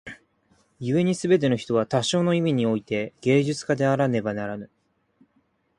故に凡ての人は多少の意味に於て芸術家であらねばならぬ。